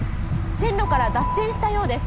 線路から脱線したようです。